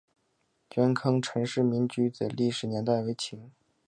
元坑陈氏民居的历史年代为清。